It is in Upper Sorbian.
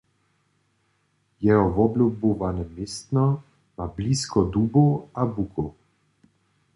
Jeho woblubowane městno ma blisko dubow a bukow.